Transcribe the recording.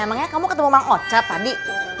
emangnya kamu ketemu bang ocha tadi